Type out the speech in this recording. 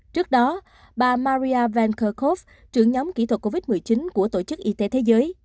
trước đó bà maria venkakov trưởng nhóm kỹ thuật covid một mươi chín của tổ chức y tế thế giới